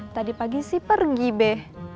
tadi pagi sih pergi be